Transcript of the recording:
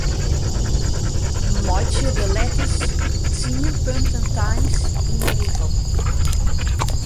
Meitsje de letters tsien punten Times yn 'e rigel.